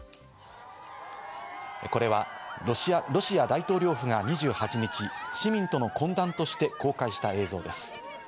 これは、ロシア大統領府が２８日、市民との懇談として公開した映像です。